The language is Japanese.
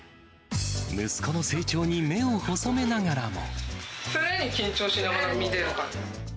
息子の成長に目を細めながら常に緊張しながら見てるから。